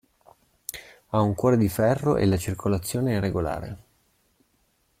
Ha un cuore di ferro e la circolazione è regolare.